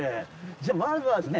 じゃあまずはですね